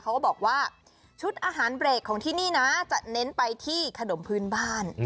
เขาก็บอกว่าชุดอาหารเบรกของที่นี่นะจะเน้นไปที่ขนมพื้นบ้าน